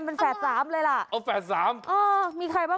มั้ยเดี๋ยว